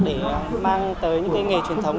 để mang tới những nghề truyền thống